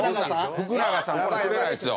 福永さんくれないですよ。